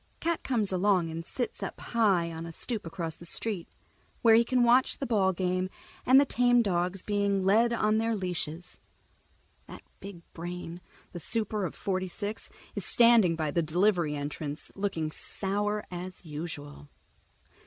Cat comes along and sits up high on a stoop across the street, where he can watch the ball game and the tame dogs being led by on their leashes. That big brain, the super of Forty six, is standing by the delivery entrance, looking sour as usual.